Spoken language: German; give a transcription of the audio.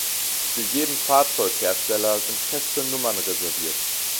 Für jeden Fahrzeughersteller sind feste Nummern reserviert.